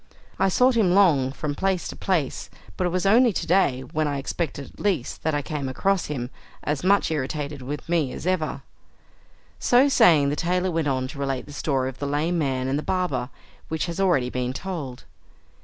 I sought him long from place to place, but it was only to day, when I expected it least, that I came across him, as much irritated with me as ever" So saying the tailor went on to relate the story of the lame man and the barber, which has already been told.